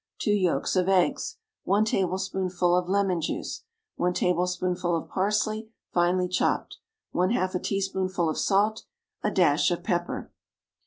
2 yolks of eggs. 1 tablespoonful of lemon juice. 1 tablespoonful of parsley, finely chopped. 1/2 a teaspoonful of salt. A dash of pepper.